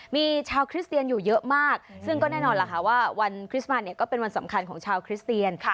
มีชาวคริสเตียนอยู่เยอะมากซึ่งก็แน่นอนล่ะค่ะว่าวันคริสต์มันก็เป็นวันสำคัญของชาวคริสเตียน